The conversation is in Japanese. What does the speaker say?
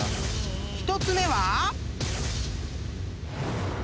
［１つ目は］